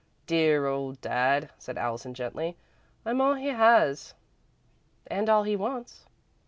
"Dear old Dad," said Allison, gently. "I'm all he has." "And all he wants."